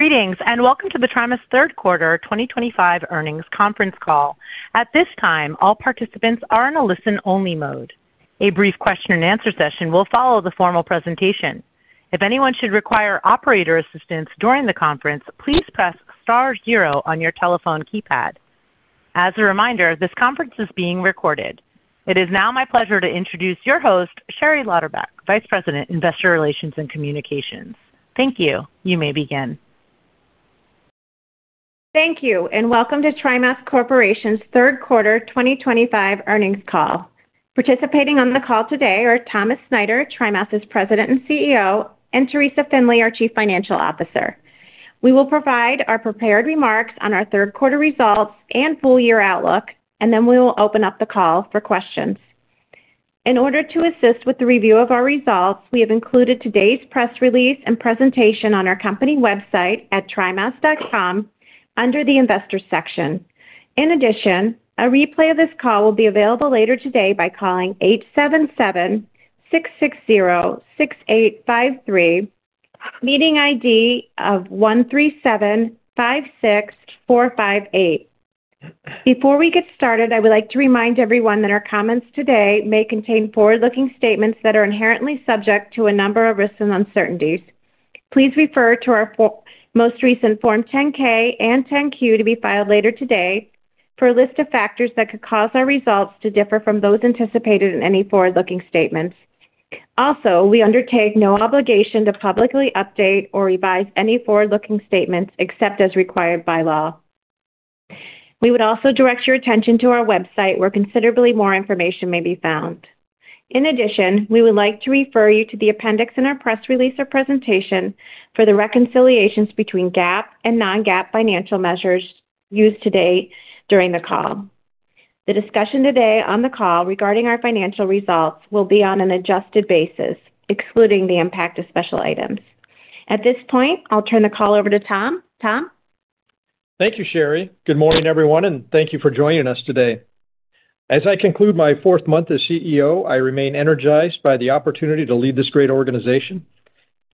Greetings, and welcome to the TriMas Third Quarter 2025 Earnings Conference Call. At this time, all participants are in a listen-only mode. A brief question and answer session will follow the formal presentation. If anyone should require operator assistance during the conference, please press *0 on your telephone keypad. As a reminder, this conference is being recorded. It is now my pleasure to introduce your host, Sherry Lauderback, Vice President, Investor Relations and Communications. Thank you. You may begin. Thank you, and welcome to TriMas Corporation's Third Quarter 2025 Earnings Call. Participating on the call today are Thomas Snyder, TriMas' President and CEO, and Teresa Finley, our Chief Financial Officer. We will provide our prepared remarks on our third quarter results and full-year outlook, and then we will open up the call for questions. In order to assist with the review of our results, we have included today's press release and presentation on our company website at trimas.com under the Investors section. In addition, a replay of this call will be available later today by calling 877-660-6853, meeting ID of 13756458. Before we get started, I would like to remind everyone that our comments today may contain forward-looking statements that are inherently subject to a number of risks and uncertainties. Please refer to our most recent Form 10-K and 10-Q to be filed later today for a list of factors that could cause our results to differ from those anticipated in any forward-looking statements. Also, we undertake no obligation to publicly update or revise any forward-looking statements except as required by law. We would also direct your attention to our website where considerably more information may be found. In addition, we would like to refer you to the appendix in our press release or presentation for the reconciliations between GAAP and non-GAAP financial measures used today during the call. The discussion today on the call regarding our financial results will be on an adjusted basis, excluding the impact of special items. At this point, I'll turn the call over to Tom. Tom? Thank you, Sherry. Good morning, everyone, and thank you for joining us today. As I conclude my fourth month as CEO, I remain energized by the opportunity to lead this great organization.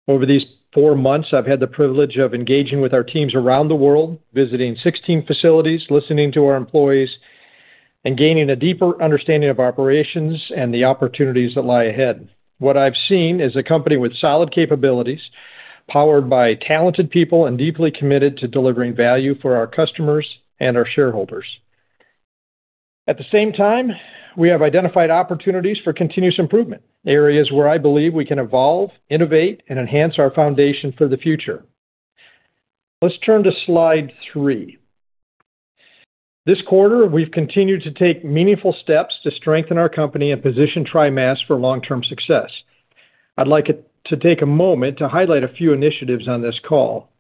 Over these four months, I've had the privilege of engaging with our teams around the world, visiting 16 facilities, listening to our employees, and gaining a deeper understanding of operations and the opportunities that lie ahead. What I've seen is a company with solid capabilities, powered by talented people, and deeply committed to delivering value for our customers and our shareholders. At the same time, we have identified opportunities for continuous improvement, areas where I believe we can evolve, innovate, and enhance our foundation for the future. Let's turn to slide three. This quarter, we've continued to take meaningful steps to strengthen our company and position TriMas for long-term success. I'd like to take a moment to highlight a few initiatives on this call.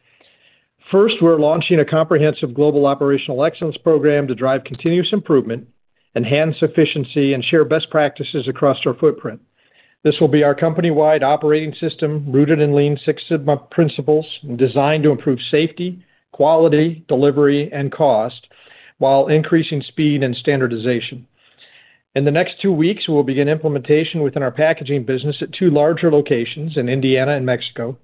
First, we're launching a comprehensive global operational excellence program to drive continuous improvement, enhance efficiency, and share best practices across our footprint. This will be our company-wide operating system rooted in lean Six Sigma principles and designed to improve safety, quality, delivery, and cost while increasing speed and standardization. In the next two weeks, we'll begin implementation within our packaging business at two larger locations in Indiana and Mexico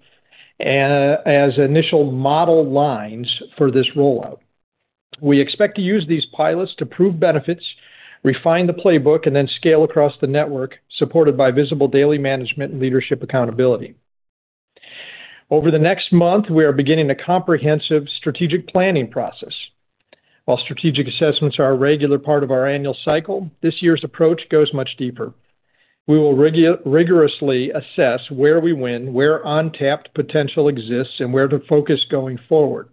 as initial model lines for this rollout. We expect to use these pilots to prove benefits, refine the playbook, and then scale across the network, supported by visible daily management and leadership accountability. Over the next month, we are beginning a comprehensive strategic planning process. While strategic assessments are a regular part of our annual cycle, this year's approach goes much deeper. We will rigorously assess where we win, where untapped potential exists, and where to focus going forward.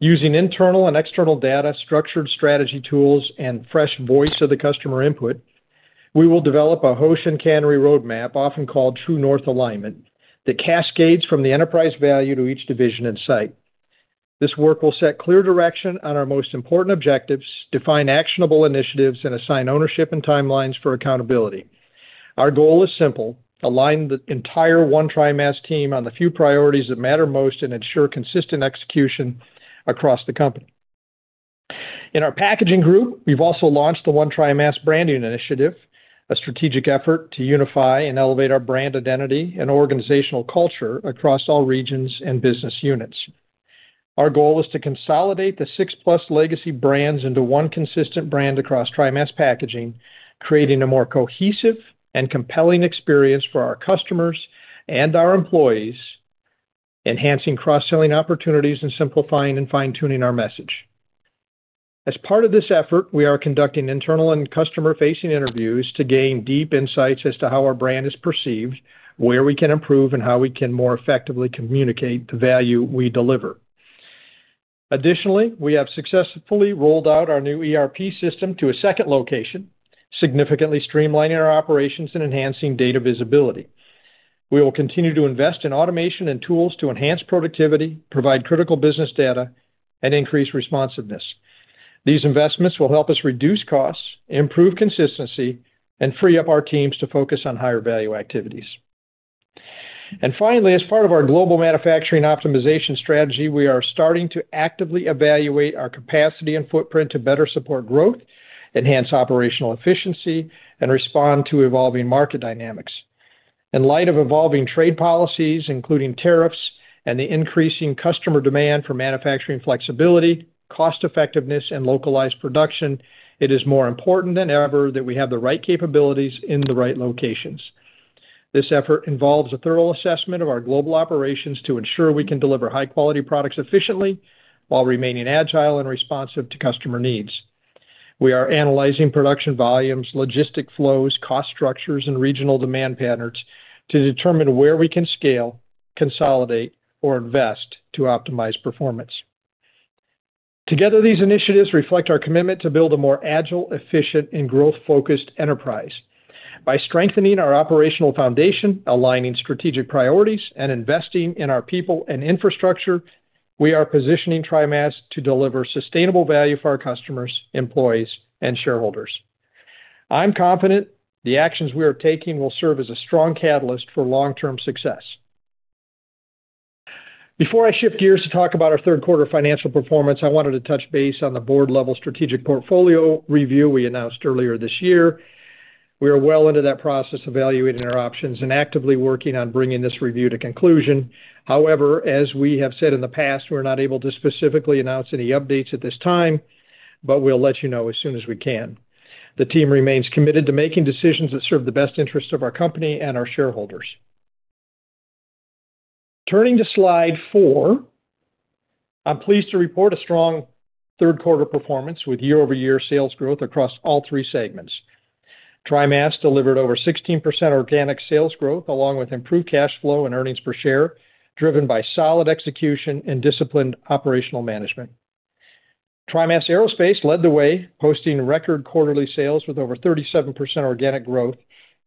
Using internal and external data, structured strategy tools, and fresh voice of the customer input, we will develop a Hoshin Kanri roadmap, often called True North Alignment, that cascades from the enterprise value to each division in sight. This work will set clear direction on our most important objectives, define actionable initiatives, and assign ownership and timelines for accountability. Our goal is simple: align the entire One TriMas team on the few priorities that matter most and ensure consistent execution across the company. In our packaging group, we've also launched the One TriMas branding initiative, a strategic effort to unify and elevate our brand identity and organizational culture across all regions and business units. Our goal is to consolidate the six-plus legacy brands into one consistent brand across TriMas packaging, creating a more cohesive and compelling experience for our customers and our employees, enhancing cross-selling opportunities, and simplifying and fine-tuning our message. As part of this effort, we are conducting internal and customer-facing interviews to gain deep insights as to how our brand is perceived, where we can improve, and how we can more effectively communicate the value we deliver. Additionally, we have successfully rolled out our new ERP system to a second location, significantly streamlining our operations and enhancing data visibility. We will continue to invest in automation and tools to enhance productivity, provide critical business data, and increase responsiveness. These investments will help us reduce costs, improve consistency, and free up our teams to focus on higher-value activities. Finally, as part of our global manufacturing optimization strategy, we are starting to actively evaluate our capacity and footprint to better support growth, enhance operational efficiency, and respond to evolving market dynamics. In light of evolving trade policies, including tariffs, and the increasing customer demand for manufacturing flexibility, cost-effectiveness, and localized production, it is more important than ever that we have the right capabilities in the right locations. This effort involves a thorough assessment of our global operations to ensure we can deliver high-quality products efficiently while remaining agile and responsive to customer needs. We are analyzing production volumes, logistic flows, cost structures, and regional demand patterns to determine where we can scale, consolidate, or invest to optimize performance. Together, these initiatives reflect our commitment to build a more agile, efficient, and growth-focused enterprise. By strengthening our operational foundation, aligning strategic priorities, and investing in our people and infrastructure, we are positioning TriMas to deliver sustainable value for our customers, employees, and shareholders. I'm confident the actions we are taking will serve as a strong catalyst for long-term success. Before I shift gears to talk about our third quarter financial performance, I wanted to touch base on the board-level strategic portfolio review we announced earlier this year. We are well into that process, evaluating our options and actively working on bringing this review to conclusion. However, as we have said in the past, we're not able to specifically announce any updates at this time, but we'll let you know as soon as we can. The team remains committed to making decisions that serve the best interests of our company and our shareholders. Turning to slide four, I'm pleased to report a strong third-quarter performance with year-over-year sales growth across all three segments. TriMas delivered over 16% organic sales growth, along with improved cash flow and earnings per share, driven by solid execution and disciplined operational management. TriMas Aerospace led the way, posting record quarterly sales with over 37% organic growth,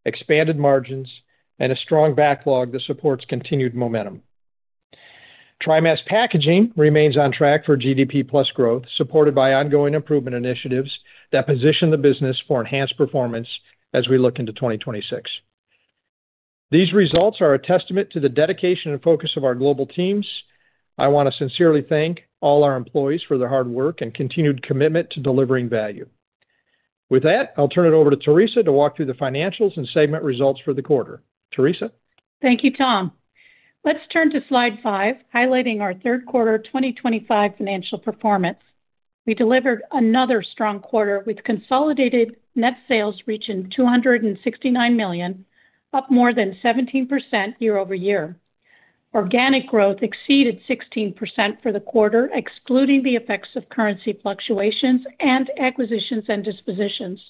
expanded margins, and a strong backlog that supports continued momentum. TriMas Packaging remains on track for GDP-plus growth, supported by ongoing improvement initiatives that position the business for enhanced performance as we look into 2026. These results are a testament to the dedication and focus of our global teams. I want to sincerely thank all our employees for their hard work and continued commitment to delivering value. With that, I'll turn it over to Teresa to walk through the financials and segment results for the quarter. Teresa. Thank you, Tom. Let's turn to slide five, highlighting our third quarter 2025 financial performance. We delivered another strong quarter with consolidated net sales reaching $269 million, up more than 17% year over year. Organic growth exceeded 16% for the quarter, excluding the effects of currency fluctuations and acquisitions and dispositions.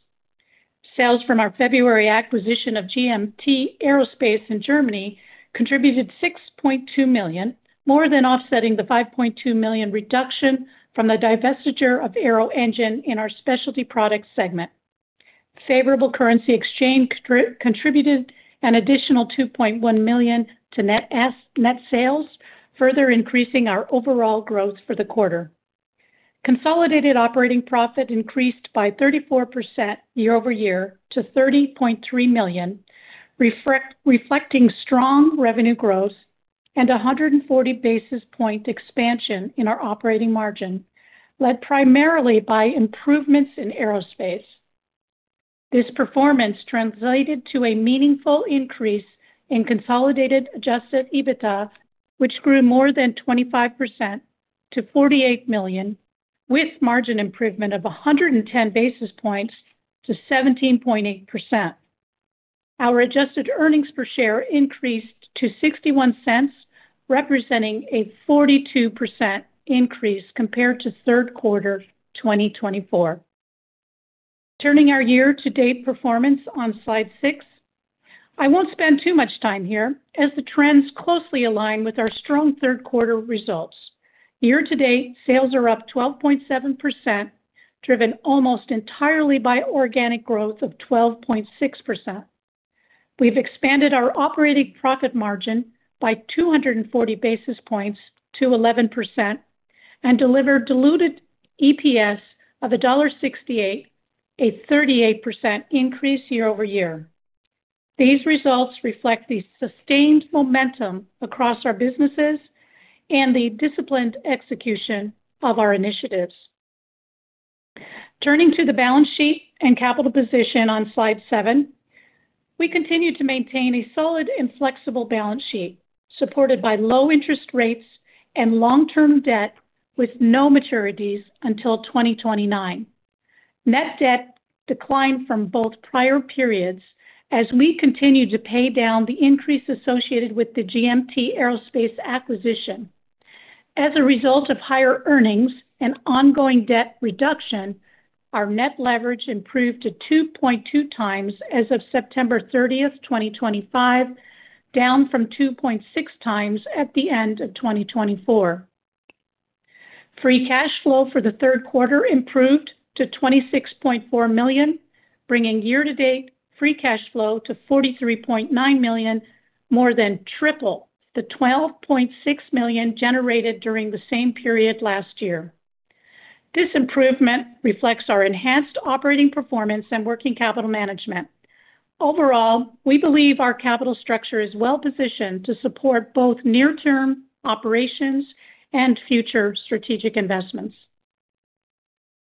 Sales from our February acquisition of GMT Aerospace in Germany contributed $6.2 million, more than offsetting the $5.2 million reduction from the divestiture of Aeroengine in our Specialty Products segment. Favorable currency exchange contributed an additional $2.1 million to net sales, further increasing our overall growth for the quarter. Consolidated operating profit increased by 34% year over year to $30.3 million, reflecting strong revenue growth and a 140 basis point expansion in our operating margin, led primarily by improvements in aerospace. This performance translated to a meaningful increase in consolidated adjusted EBITDA, which grew more than 25% to $48 million, with margin improvement of 110 basis points to 17.8%. Our adjusted EPS increased to $0.61, representing a 42% increase compared to third quarter 2024. Turning to our year-to-date performance on slide six, I won't spend too much time here as the trends closely align with our strong third quarter results. Year-to-date sales are up 12.7%, driven almost entirely by organic growth of 12.6%. We've expanded our operating profit margin by 240 basis points to 11% and delivered diluted EPS of $1.68, a 38% increase year over year. These results reflect the sustained momentum across our businesses and the disciplined execution of our initiatives. Turning to the balance sheet and capital position on slide seven, we continue to maintain a solid and flexible balance sheet, supported by low interest rates and long-term debt with no maturities until 2029. Net debt declined from both prior periods as we continue to pay down the increase associated with the GMT Aerospace acquisition. As a result of higher earnings and ongoing debt reduction, our net leverage improved to 2.2 times as of September 30th, 2025, down from 2.6 times at the end of 2024. Free cash flow for the third quarter improved to $26.4 million, bringing year-to-date free cash flow to $43.9 million, more than triple the $12.6 million generated during the same period last year. This improvement reflects our enhanced operating performance and working capital management. Overall, we believe our capital structure is well positioned to support both near-term operations and future strategic investments.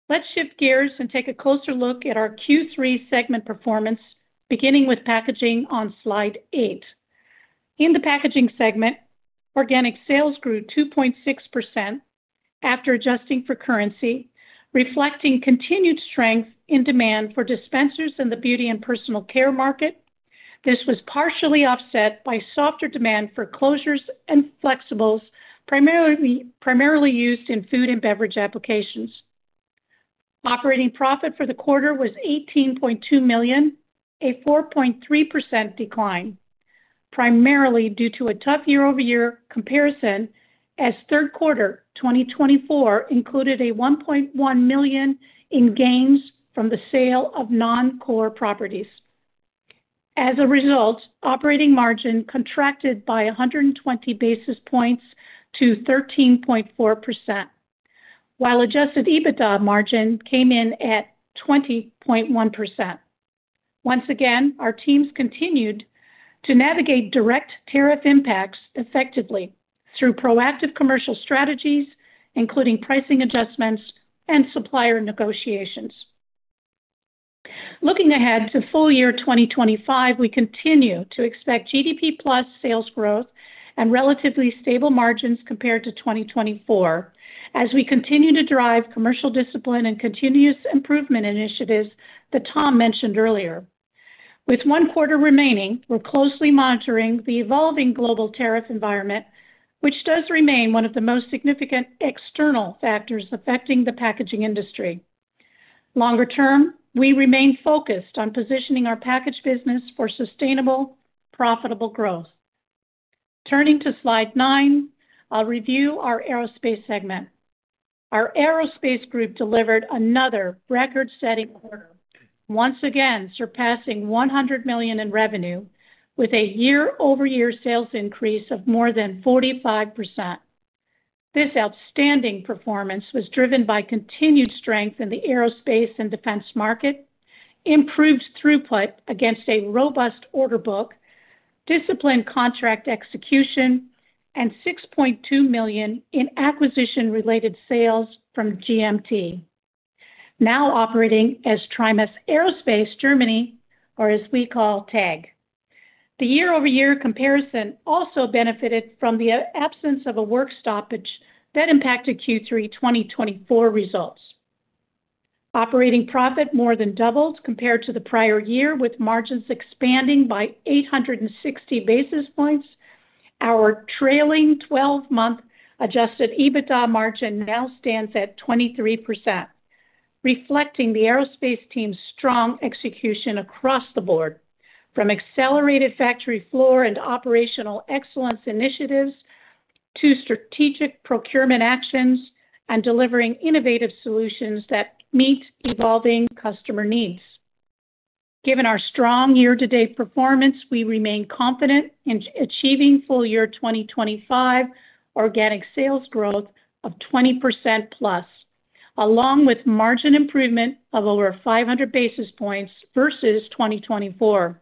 Let's shift gears and take a closer look at our Q3 segment performance, beginning with packaging on slide eight. In the packaging segment, organic sales grew 2.6% after adjusting for currency, reflecting continued strength in demand for dispensers in the beauty and personal care market. This was partially offset by softer demand for closures and flexibles, primarily used in food and beverage applications. Operating profit for the quarter was $18.2 million, a 4.3% decline, primarily due to a tough year-over-year comparison, as third quarter 2024 included $1.1 million in gains from the sale of non-core properties. As a result, operating margin contracted by 120 basis points to 13.4%, while adjusted EBITDA margin came in at 20.1%. Once again, our teams continued to navigate direct tariff impacts effectively through proactive commercial strategies, including pricing adjustments and supplier negotiations. Looking ahead to full year 2025, we continue to expect GDP-plus sales growth and relatively stable margins compared to 2024, as we continue to drive commercial discipline and continuous improvement initiatives that Tom mentioned earlier. With one quarter remaining, we're closely monitoring the evolving global tariff environment, which does remain one of the most significant external factors affecting the packaging industry. Longer term, we remain focused on positioning our packaging business for sustainable, profitable growth. Turning to slide nine, I'll review our aerospace segment. Our aerospace group delivered another record-setting quarter, once again surpassing $100 million in revenue, with a year-over-year sales increase of more than 45%. This outstanding performance was driven by continued strength in the aerospace and defense market, improved throughput against a robust order book, disciplined contract execution, and $6.2 million in acquisition-related sales from GMT Aerospace, now operating as TriMas Aerospace Germany, or as we call TAG. The year-over-year comparison also benefited from the absence of a work stoppage that impacted Q3 2024 results. Operating profit more than doubled compared to the prior year, with margins expanding by 860 basis points. Our trailing 12-month adjusted EBITDA margin now stands at 23%, reflecting the aerospace team's strong execution across the board, from accelerated factory floor and operational excellence initiatives to strategic procurement actions and delivering innovative solutions that meet evolving customer needs. Given our strong year-to-date performance, we remain confident in achieving full year 2025 organic sales growth of 20% plus, along with margin improvement of over 500 basis points versus 2024.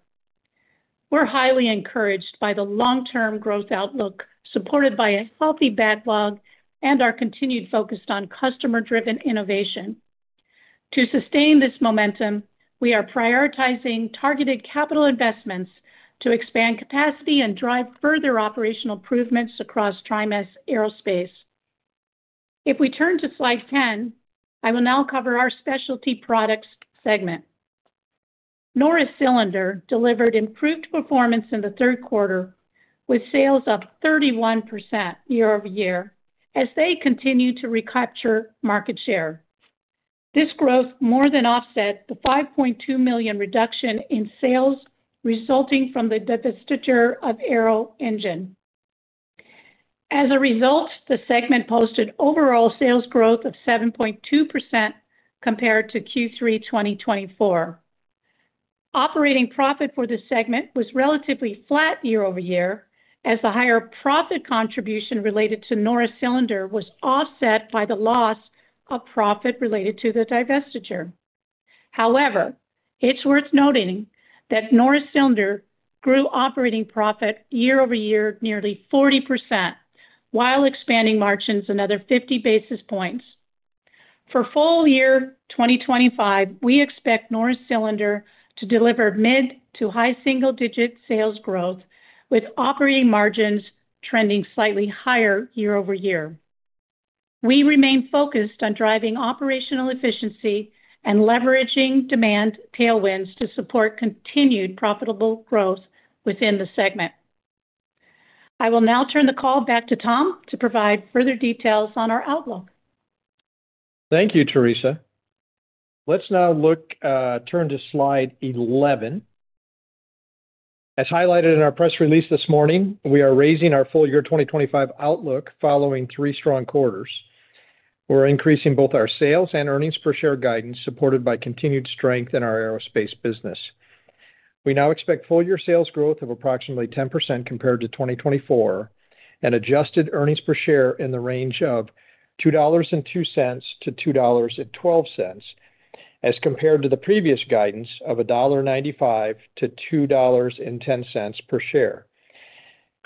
We're highly encouraged by the long-term growth outlook, supported by a healthy backlog and our continued focus on customer-driven innovation. To sustain this momentum, we are prioritizing targeted capital investments to expand capacity and drive further operational improvements across TriMas Aerospace. If we turn to slide 10, I will now cover our Specialty Products segment. Norris Cylinder delivered improved performance in the third quarter, with sales up 31% year over year, as they continue to recapture market share. This growth more than offset the $5.2 million reduction in sales resulting from the divestiture of Aeroengine. As a result, the segment posted overall sales growth of 7.2% compared to Q3 2024. Operating profit for the segment was relatively flat year over year, as the higher profit contribution related to Norris Cylinder was offset by the loss of profit related to the divestiture. However, it's worth noting that Norris Cylinder grew operating profit year over year nearly 40% while expanding margins another 50 basis points. For full year 2025, we expect Norris Cylinder to deliver mid to high single-digit sales growth, with operating margins trending slightly higher year over year. We remain focused on driving operational efficiency and leveraging demand tailwinds to support continued profitable growth within the segment. I will now turn the call back to Tom to provide further details on our outlook. Thank you, Teresa. Let's now turn to slide 11. As highlighted in our press release this morning, we are raising our full year 2025 outlook following three strong quarters. We're increasing both our sales and earnings per share guidance, supported by continued strength in our aerospace business. We now expect full-year sales growth of approximately 10% compared to 2024 and adjusted earnings per share in the range of $2.02-$2.12 as compared to the previous guidance of $1.95-$2.10 per share.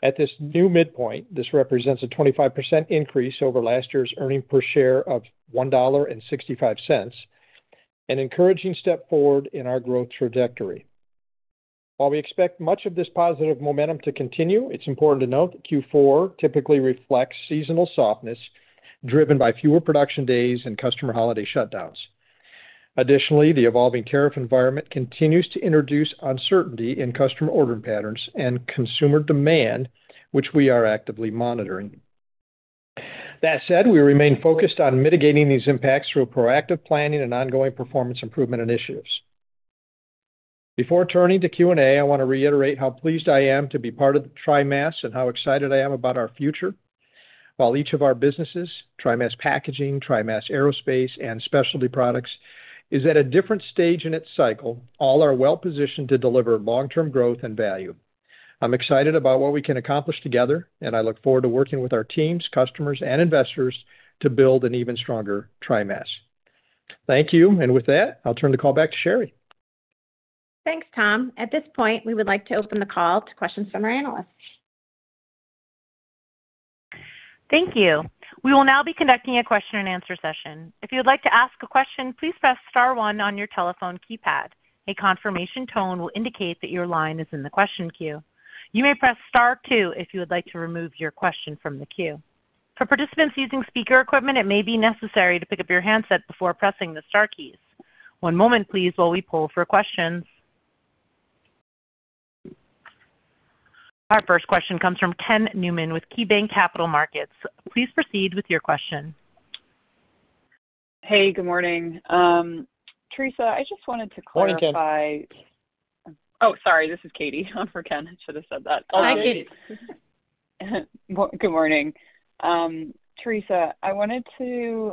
At this new midpoint, this represents a 25% increase over last year's earnings per share of $1.65, an encouraging step forward in our growth trajectory. While we expect much of this positive momentum to continue, it's important to note that Q4 typically reflects seasonal softness driven by fewer production days and customer holiday shutdowns. Additionally, the evolving tariff environment continues to introduce uncertainty in customer ordering patterns and consumer demand, which we are actively monitoring. That said, we remain focused on mitigating these impacts through proactive planning and ongoing performance improvement initiatives. Before turning to Q&A, I want to reiterate how pleased I am to be part of TriMas and how excited I am about our future. While each of our businesses, TriMas Packaging, TriMas Aerospace, and Specialty Products, is at a different stage in its cycle, all are well positioned to deliver long-term growth and value. I'm excited about what we can accomplish together, and I look forward to working with our teams, customers, and investors to build an even stronger TriMas. Thank you. With that, I'll turn the call back to Sherry. Thanks, Tom. At this point, we would like to open the call to questions from our analysts. Thank you. We will now be conducting a question and answer session. If you would like to ask a question, please press *1 on your telephone keypad. A confirmation tone will indicate that your line is in the question queue. You may press *2 if you would like to remove your question from the queue. For participants using speaker equipment, it may be necessary to pick up your handset before pressing the * keys. One moment, please, while we pull for questions. Our first question comes from Ken Newman with KeyBanc Capital Markets. Please proceed with your question. Hey, good morning. Teresa, I just wanted to clarify. Morning, Ken. Oh, sorry. This is Katie. I forgot. I should have said that. Hi, Katie. Good morning. Teresa, I wanted to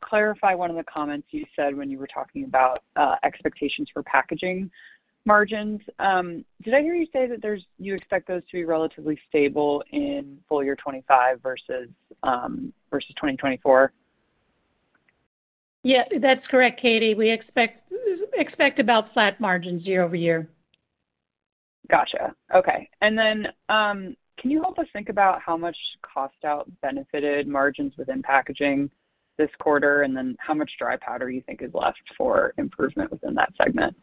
clarify one of the comments you said when you were talking about expectations for packaging margins. Did I hear you say that you expect those to be relatively stable in full year 2025 versus 2024? Yeah, that's correct, Katie. We expect about flat margins year over year. Gotcha. Okay. Can you help us think about how much cost out benefited margins within packaging this quarter, and how much dry powder you think is left for improvement within that segment?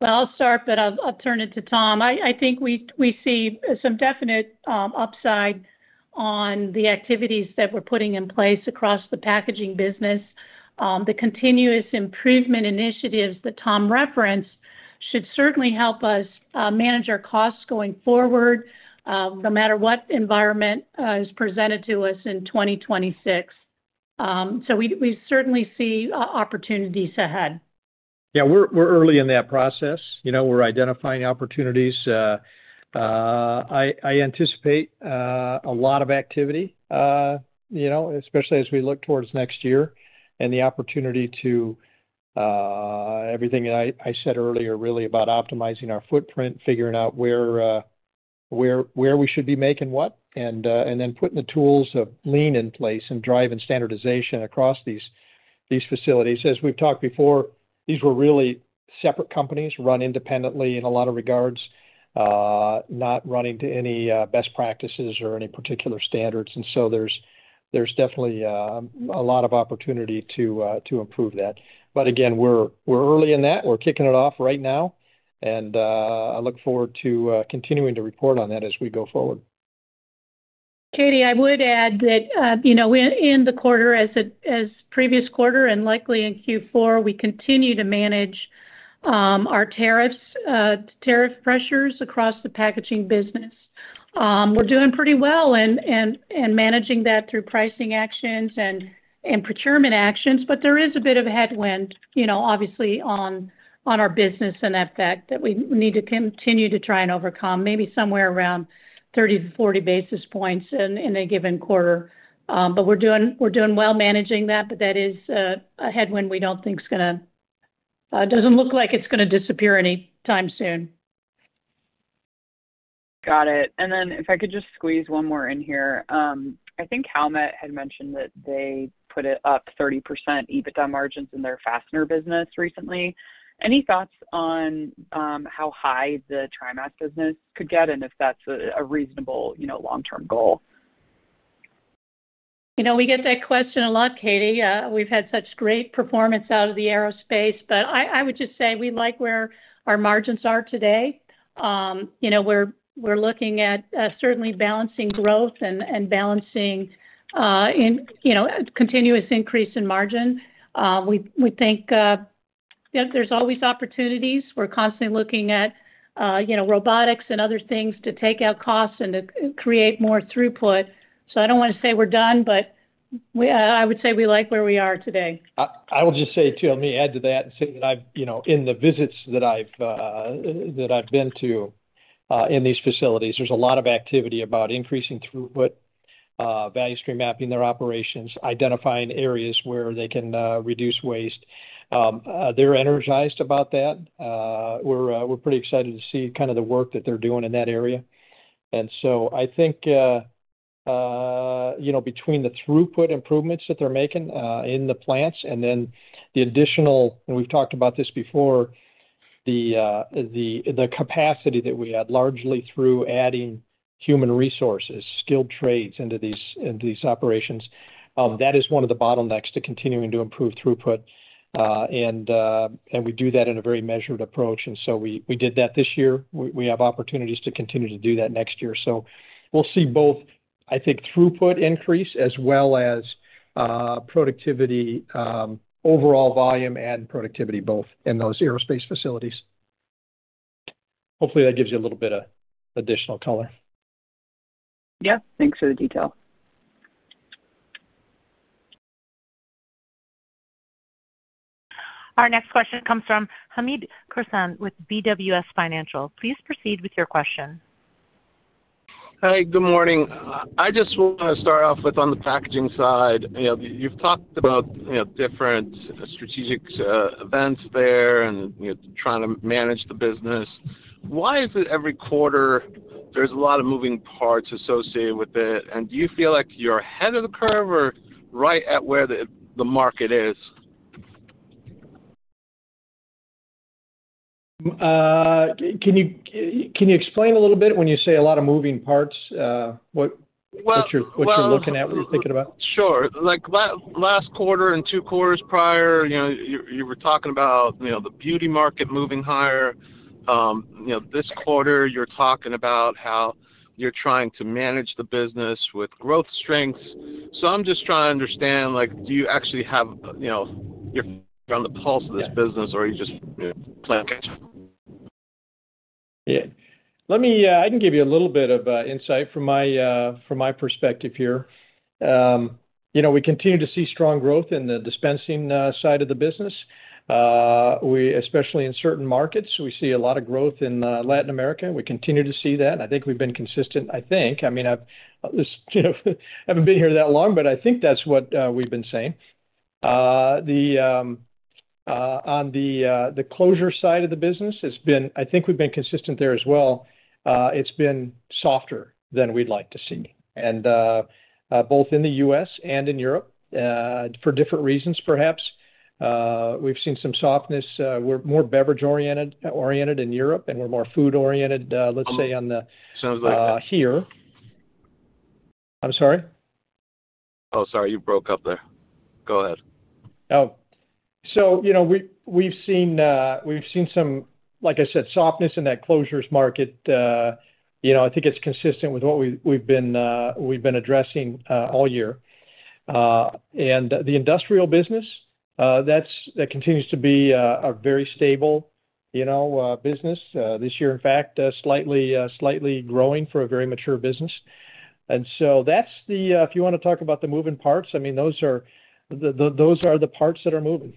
I will start, but I'll turn it to Tom. I think we see some definite upside on the activities that we're putting in place across the packaging business. The continuous improvement initiatives that Tom referenced should certainly help us manage our costs going forward, no matter what environment is presented to us in 2026. We certainly see opportunities ahead. Yeah, we're early in that process. We're identifying opportunities. I anticipate a lot of activity, especially as we look towards next year and the opportunity to everything that I said earlier, really, about optimizing our footprint, figuring out where we should be making what, and then putting the tools of lean in place and driving standardization across these facilities. As we've talked before, these were really separate companies run independently in a lot of regards, not running to any best practices or any particular standards. There is definitely a lot of opportunity to improve that. Again, we're early in that. We're kicking it off right now. I look forward to continuing to report on that as we go forward. Katie, I would add that, you know, in the quarter, as previous quarter and likely in Q4, we continue to manage our tariff pressures across the packaging business. We're doing pretty well in managing that through pricing actions and procurement actions, but there is a bit of headwind, you know, obviously, on our business and that we need to continue to try and overcome, maybe somewhere around 30 basis points-40 basis points in a given quarter. We're doing well managing that, but that is a headwind we don't think is going to, doesn't look like it's going to disappear anytime soon. Got it. If I could just squeeze one more in here, I think Hamed had mentioned that they put up 30% EBITDA margins in their fastener business recently. Any thoughts on how high the TriMas business could get and if that's a reasonable, you know, long-term goal? You know. We get that question a lot, Katie. We've had such great performance out of the aerospace, but I would just say we like where our margins are today. We're looking at certainly balancing growth and balancing a continuous increase in margin. We think there's always opportunities. We're constantly looking at robotics and other things to take out costs and to create more throughput. I don't want to say we're done, but I would say we like where we are today. I will just say, too, let me add to that and say that in the visits that I've been to in these facilities, there's a lot of activity about increasing throughput, value stream mapping their operations, identifying areas where they can reduce waste. They're energized about that. We're pretty excited to see kind of the work that they're doing in that area. I think, between the throughput improvements that they're making in the plants and then the additional, and we've talked about this before, the capacity that we add largely through adding human resources, skilled trades into these operations, that is one of the bottlenecks to continuing to improve throughput. We do that in a very measured approach. We did that this year. We have opportunities to continue to do that next year. We'll see both, I think, throughput increase as well as productivity, overall volume and productivity, both in those aerospace facilities. Hopefully, that gives you a little bit of additional color. Yeah, thanks for the detail. Our next question comes from Hamed Khorsand with BWS Financial. Please proceed with your question. Hi. Good morning. I just want to start off with on the packaging side. You've talked about different strategic events there and trying to manage the business. Why is it every quarter there's a lot of moving parts associated with it? Do you feel like you're ahead of the curve or right at where the market is? Can you explain a little bit when you say a lot of moving parts? What you're looking at, what you're thinking about? Sure. Like last quarter and two quarters prior, you were talking about the beauty market moving higher. This quarter, you're talking about how you're trying to manage the business with growth strengths. I'm just trying to understand, do you actually have, you're on the pulse of this business or are you just playing catch? Let me give you a little bit of insight from my perspective here. We continue to see strong growth in the dispensing side of the business, especially in certain markets. We see a lot of growth in Latin America. We continue to see that. I think we've been consistent. I haven't been here that long, but I think that's what we've been saying. On the closure side of the business, we've been consistent there as well. It's been softer than we'd like to see. In both the U.S. and in Europe, for different reasons perhaps, we've seen some softness. We're more beverage-oriented in Europe, and we're more food-oriented here. I'm sorry? Sorry, you broke up there. Go ahead. We've seen some, like I said, softness in that closures market. I think it's consistent with what we've been addressing all year. The industrial business continues to be a very stable business, in fact, slightly growing for a very mature business this year. If you want to talk about the moving parts, those are the parts that are moving.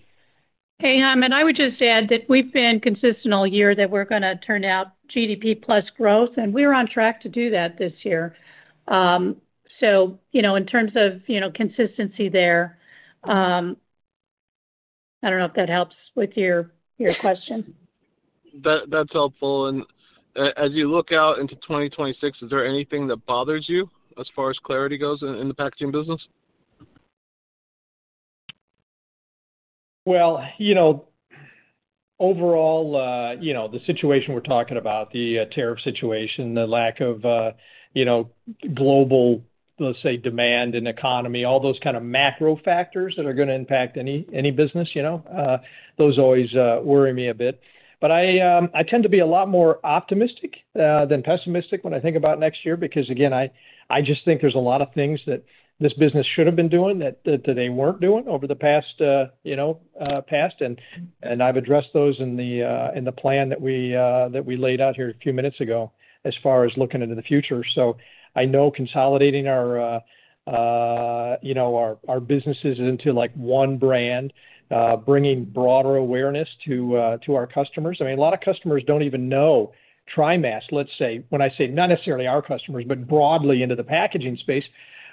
Hey, Hamed. I would just add that we've been consistent all year that we're going to turn out GDP-plus growth, and we're on track to do that this year. In terms of consistency there, I don't know if that helps with your question. That's helpful. As you look out into 2026, is there anything that bothers you as far as clarity goes in the packaging business? Overall, the situation we're talking about, the tariff situation, the lack of global demand in the economy, all those kind of macro factors that are going to impact any business, those always worry me a bit. I tend to be a lot more optimistic than pessimistic when I think about next year because, again, I just think there's a lot of things that this business should have been doing that they weren't doing over the past. I've addressed those in the plan that we laid out here a few minutes ago as far as looking into the future. I know consolidating our businesses into one brand, bringing broader awareness to our customers. A lot of customers don't even know TriMas, not necessarily our customers, but broadly into the packaging space.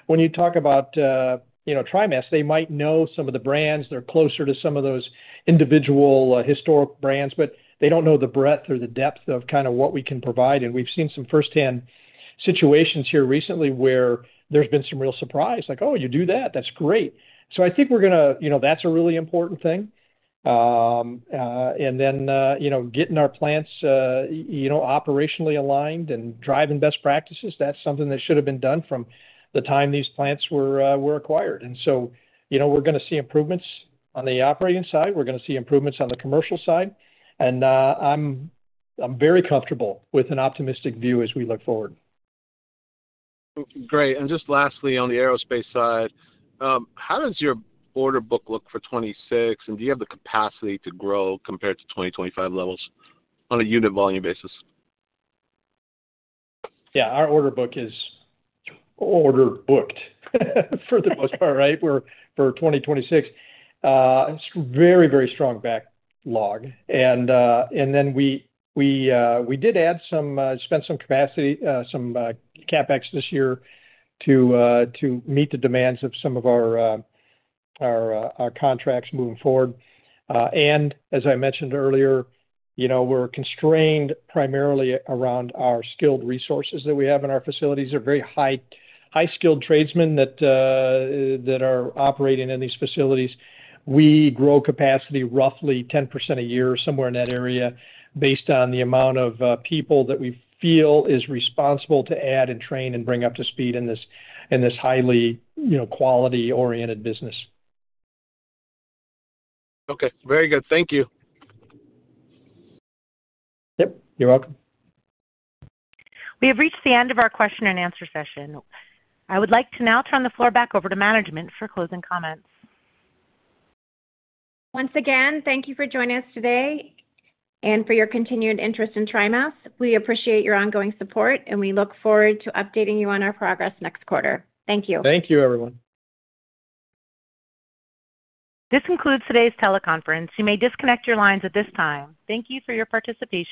When you talk about TriMas, they might know some of the brands. They're closer to some of those individual historic brands, but they don't know the breadth or the depth of what we can provide. We've seen some firsthand situations here recently where there's been some real surprise, like, "Oh, you do that? That's great." I think that's a really important thing. Getting our plants operationally aligned and driving best practices, that's something that should have been done from the time these plants were acquired. We're going to see improvements on the operating side. We're going to see improvements on the commercial side. I'm very comfortable with an optimistic view as we look forward. Great. Lastly, on the aerospace side, how does your order book look for 2026, and do you have the capacity to grow compared to 2025 levels on a unit volume basis? Yeah, our order book is order booked for the most part, right? We're for 2026. It's a very, very strong backlog. We did add some, spent some capacity, some CapEx this year to meet the demands of some of our contracts moving forward. As I mentioned earlier, we're constrained primarily around our skilled resources that we have in our facilities. They're very high-skilled tradesmen that are operating in these facilities. We grow capacity roughly 10% a year, somewhere in that area, based on the amount of people that we feel is responsible to add and train and bring up to speed in this highly, you know, quality-oriented business. Okay, very good. Thank you. Yep, you're welcome. We have reached the end of our question and answer session. I would like to now turn the floor back over to management for closing comments. Once again, thank you for joining us today and for your continued interest in TriMas. We appreciate your ongoing support, and we look forward to updating you on our progress next quarter. Thank you. Thank you, everyone. This concludes today's teleconference. You may disconnect your lines at this time. Thank you for your participation.